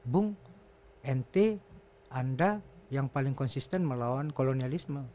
bung ente anda yang paling konsisten melawan kolonialisme